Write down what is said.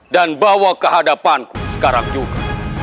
dan bawa kehadapanku sekarang juga